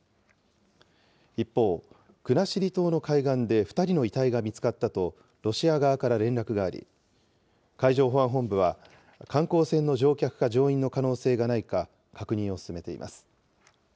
一方、国後島の海岸で２人の遺体が見つかったと、ロシア側から連絡があり、海上保安本部は観光船の乗客か乗員の可能性がないか、確認を進めています。